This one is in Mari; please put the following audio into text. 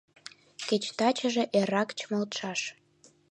Кеч тачыже эррак чымалтшаш.